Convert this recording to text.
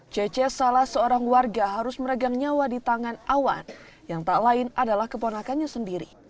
cece salah seorang warga harus meregang nyawa di tangan awan yang tak lain adalah keponakannya sendiri